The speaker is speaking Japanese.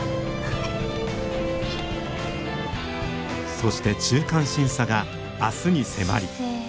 そして中間審査が明日に迫り。